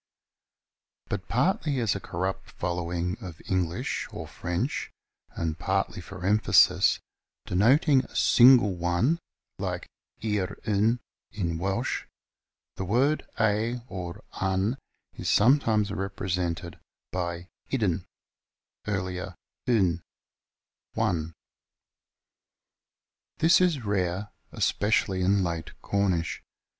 But partly as a corrupt following of English or French, and partly for emphasis, denoting a single one (like yr un in Welsh), the word a or an is sometimes repre sented by idn (earlier un), one. This is rare, especially in late Cornish.